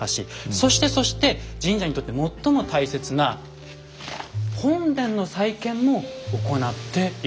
そしてそして神社にとって最も大切な本殿の再建も行っているんです。